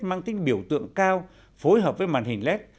mang tính biểu tượng cao phối hợp với màn hình led